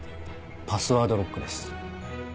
パスワードロックです。